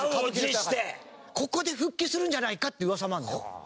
ここで復帰するんじゃないかっていう噂もあるんですよ。